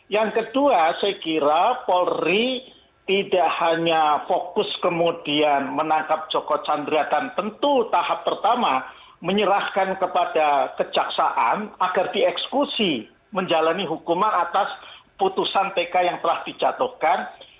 yang kedua saya kira polri tidak hanya fokus kemudian menangkap joko chandra dan tentu tahap pertama menyerahkan kepada kejaksaan agar dieksekusi menjalani hukuman atas putusan tk yang telah dijatuhkan